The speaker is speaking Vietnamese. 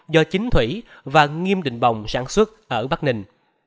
do chính thủy và nghiêm đình bồng sản xuất ở bắc ninh